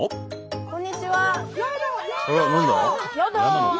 こんにちは。